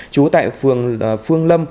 trú tại phường phương lâm